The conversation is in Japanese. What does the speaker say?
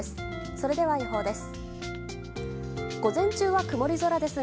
それでは、予報です。